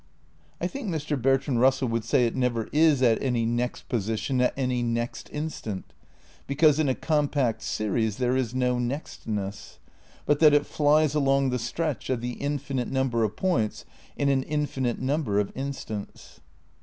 ^ (I think Mr. Bertrand Russell would say it never is at any "next" position at any "next" instant, be cause in a compact series there is no "nextness," but that it flies along the stretch of the infinite number of points in an infinite number of instants).